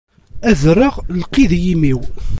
Ad rreɣ lqid i yimi-w.